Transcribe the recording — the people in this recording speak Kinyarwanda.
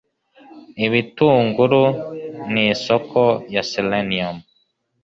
ibitunguru ni isoko ya 'selenium'